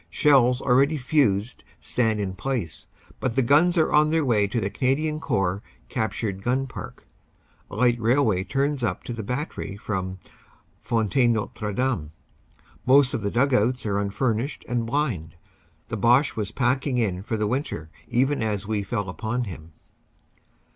Shells already fused stand in place, but the guns are on their BATTLE PIECES 323 way to the Canadian Corps captured gtm park. A light railway runs up to the battery from Fontaine Notre Dame. Most of the dug outs are unfinished and blind the Boche was packing in for the winter even as we fell upon him.